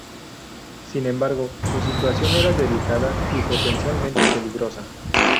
Sin embargo, su situación era delicada y potencialmente peligrosa.